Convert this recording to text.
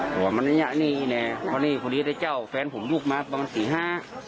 หัวมันยะนี่เนี่ยวันนี้พุทธเจ้าแฟนผมบุกมาประมาณสี่ห้า